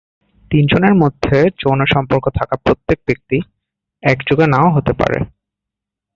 তিনজনের মধ্যে যৌন সম্পর্ক থাকা প্রত্যেক ব্যক্তি, একযোগে নাও হতে পারে।